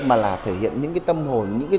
mà là thể hiện những cái tâm hồn